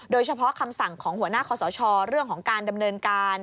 คำสั่งของหัวหน้าคอสชเรื่องของการดำเนินการ